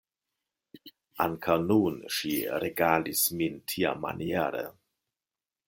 Ankaŭ nun ŝi regalis min tiamaniere.